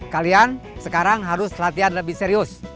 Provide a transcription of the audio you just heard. kalian sekarang harus latihan lebih serius